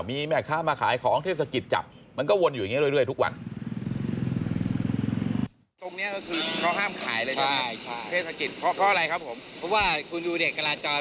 เพราะว่าคุณดูเด็กกราจร